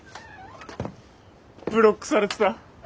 ブロックされてた。